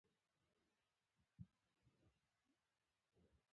ته زما ښه دوست یې.